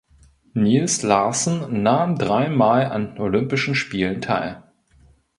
Niels Larsen nahm dreimal an Olympischen Spielen teil.